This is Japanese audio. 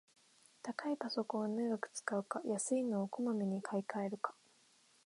高いパソコンを長く使うか、安いのをこまめに買いかえるか